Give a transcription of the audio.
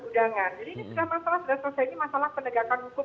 ini masalah penegakan hukum